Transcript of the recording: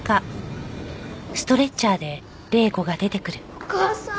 お母さん。